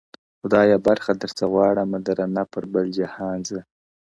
خدایه برخه در څه غواړمه درنه پر بل جهان زه,